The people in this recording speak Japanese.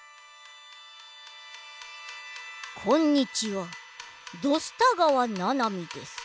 こんにちは土スタ川ななみです。